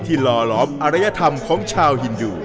ที่ลอลอบอารยธรรมของชาวฮินดู